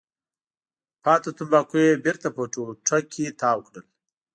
پاتې تنباکو یې بېرته په ټوټه کې تاو کړل.